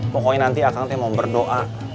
pokoknya nanti akang teh mau berdoa